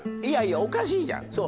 いやいやおかしいじゃん。